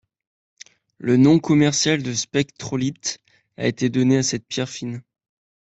Le nom commercial de spectrolite a été donné à cette pierre fine.